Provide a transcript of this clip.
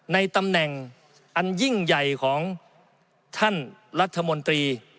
ในตำแหน่งอันยิ่งใหญ่ของท่านรัฐมนตรี